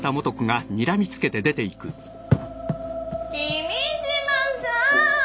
君島さん！